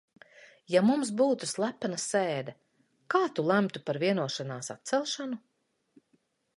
Ja mums būtu slepena sēde, kā tu lemtu par vienošanās atcelšanu?